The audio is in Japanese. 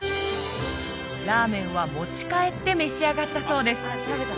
ラーメンは持ち帰って召し上がったそうです